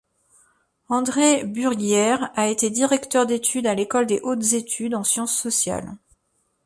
André Burguière a été directeur d'études à l'École des hautes études en sciences sociales.